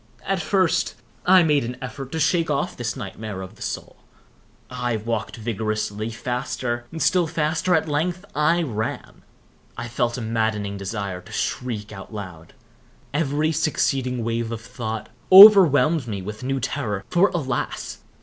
At first, I made an effort to shake off this nightmare of the soul. I walked vigorously—faster—still faster—at length I ran. I felt a maddening desire to shriek aloud. Every succeeding wave of thought overwhelmed me with new terror, for, alas!